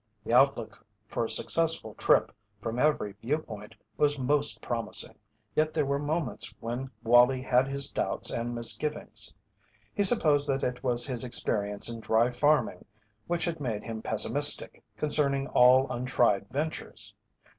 The outlook for a successful trip from every viewpoint was most promising, yet there were moments when Wallie had his doubts and misgivings. He supposed that it was his experience in dry farming which had made him pessimistic concerning all untried ventures.